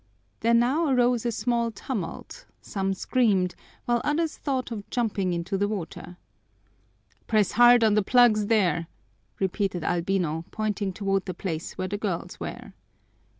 There now arose a small tumult; some screamed, while others thought of jumping into the water. "Press hard on the plugs there!" repeated Albino, pointing toward the place where the girls were.